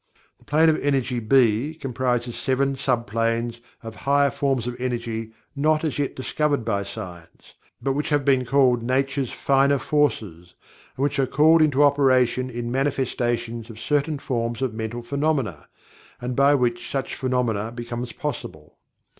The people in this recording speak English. The Plane of Energy (B) comprises seven subplanes of higher forms of energy not as yet discovered by science, but which have been called "Nature's Finer Forces" and which are called into operation in manifestations of certain forms of mental phenomena, and by which such phenomena becomes possible.